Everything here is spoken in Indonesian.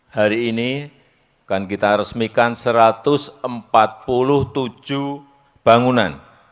hari ini akan kita resmikan satu ratus empat puluh tujuh bangunan